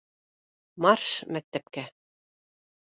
Марш мәктәпкә!